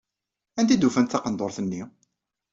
Anda ay d-ufant taqendurt-nni?